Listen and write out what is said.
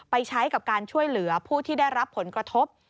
ไปใช้กับการช่วยเหลือผู้ที่ได้รับผลกระทบ